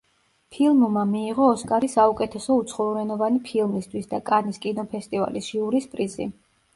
ფილმმა მიიღო ოსკარი საუკეთესო უცხოენოვანი ფილმისთვის და კანის კინოფესტივალის ჟიურის პრიზი.